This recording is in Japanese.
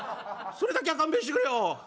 それだけは勘弁してくれよ」。